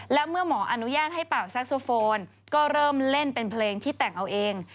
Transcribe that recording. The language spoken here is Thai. และเมื่อหมออนุญาตให้เป่าแซ็กโซโฟนก็เริ่มเล่นเป็นเพลงที่แต่งเอาเอง